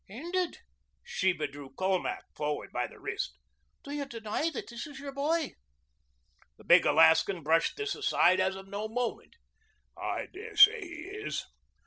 "Ended?" Sheba drew Colmac forward by the wrist. "Do you deny that this is your boy?" The big Alaskan brushed this aside as of no moment. "I dare say he is.